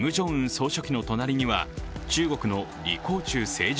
総書記の隣には中国の李鴻忠政治